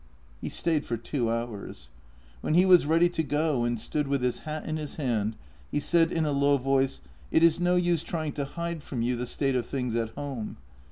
He stayed for two hours. When he was ready to go and stood with his hat in his hand, he said in a low voice: " It is no use trying to hide from you the state of tilings at home.